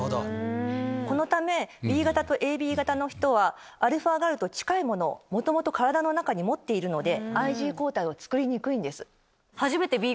このためＢ型とＡＢ型の人はα−ｇａｌと近いものを元々体の中に持っているのでＩｇＥ抗体を作りにくいんです。